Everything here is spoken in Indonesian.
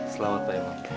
selamat pak irma